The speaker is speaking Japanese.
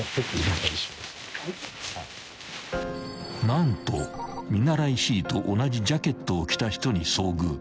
［何と見習いＣと同じジャケットを着た人に遭遇］